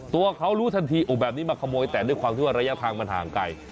ตัวเขารู้ทันทีแบบนี้มาขโมยแต่ด้วยความที่ว่าระยะทางมันห่างไกล